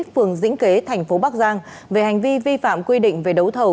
phường dĩnh kế thành phố bắc giang về hành vi vi phạm quy định về đấu thầu